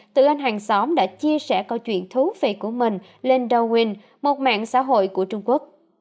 từ anh hàng xóm đã chia sẻ câu chuyện thú vị của mình lên dowin một mạng xã hội của trung quốc